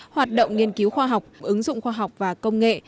hoạt động nghiên cứu khoa học ứng dụng khoa học và công nghệ